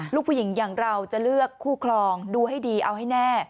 ลูกผู้หญิงอย่างเราจะเลือกคู่ครองดูให้ดีเอาให้แน่